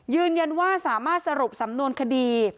ยืนยันว่าสามารถสรุปสำนวนคดี